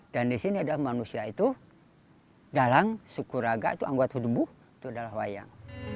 dan di sini ada manusia itu dalang sukuraga itu anggota tubuh itu adalah wayang